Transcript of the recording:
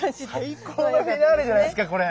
最高のフィナーレじゃないですかこれ。